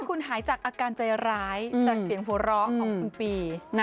ให้คุณหายจากอาการใจร้ายจากเสียงโหร้ของคุณปี